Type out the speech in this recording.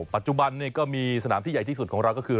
ปัจจุบันก็มีสนามที่ใหญ่ที่สุดของเราก็คือ